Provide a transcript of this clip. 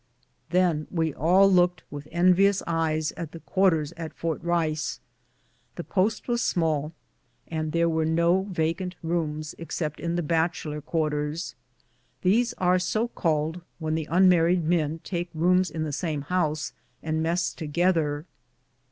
Then we all looked with envious eyes at the quarters at Fort Rice. The post was small, and there were no vacant rooms ex cept in the bachelor quarters. These are so called when the unmarried men take rooms in the same house and mess together.